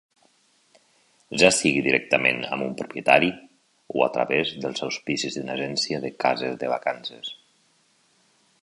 Ja sigui directament amb un propietari, o a través dels auspicis d'una agència de cases de vacances.